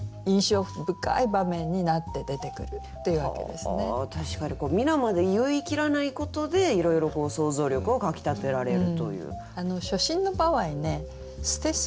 そして物語が省略されて確かに皆まで言い切らないことでいろいろ想像力をかきたてられるという。